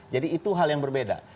jadi itu hal yang berbeda